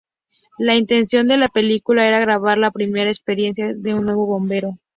La intención de la película era grabar la primera experiencia de un nuevo bombero.